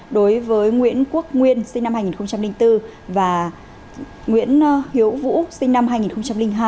đối với nguyễn quốc nguyên sinh năm hai nghìn bốn và nguyễn hiếu vũ sinh năm hai nghìn hai